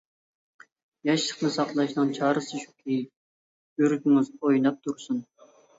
ياشلىقنى ساقلاشنىڭ چارىسى شۇكى يۈرىكىڭىز ئويناپ تۇرسۇن.